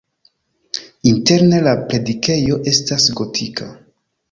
Interne la predikejo estas gotika.